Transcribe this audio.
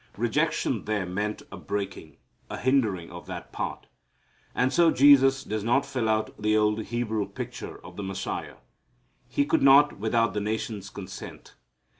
Rejection there meant a breaking, a hindering of that part. And so Jesus does not fill out the old Hebrew picture of the Messiah. He could not without the nation's consent.